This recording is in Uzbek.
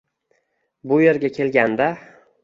Bu yerga kelganda